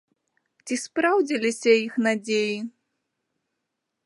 Ці спраўдзіліся іх надзеі?